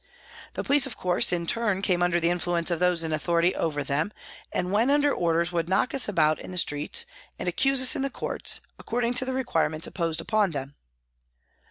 The police, of course, in turn came under the influence of those in authority over them, and when under orders would knock us about in the streets, and accuse us in the courts, according to the requirements imposed upon them.